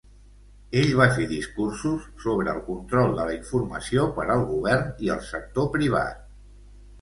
Ell va fer discursos sobre el control de la informació per al govern i el sector privat.